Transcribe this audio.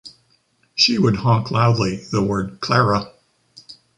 She would honk loudly the word ‘Clara’.